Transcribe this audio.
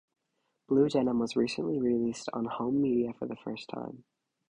"Blue Denim" was recently released on home media video for the first time.